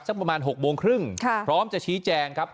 ประมาณ๖โมงครึ่งพร้อมจะชี้แจงครับ